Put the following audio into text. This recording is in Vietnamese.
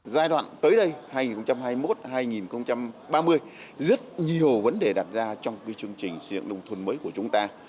giai đoạn tới đây hai nghìn hai mươi một hai nghìn ba mươi rất nhiều vấn đề đặt ra trong chương trình xuyên nông thôn mới của chúng ta